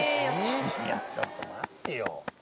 いやちょっと待ってよ。